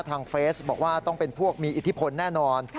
เฟซบอกว่าต้องเป็นพวกมีอิทธิพลแน่นอน